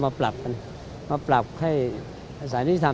มาปรับกันมาปรับให้อาศัยนิยธรรม